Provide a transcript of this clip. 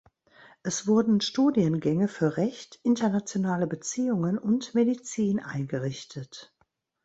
Es wurden Studiengänge für Recht, internationale Beziehungen und Medizin eingerichtet.